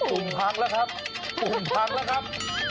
อุ่มพักแล้วครับ